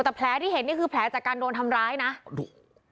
แต่แผลที่เห็นนี่คือแผลจากการโดนทำร้ายนะดู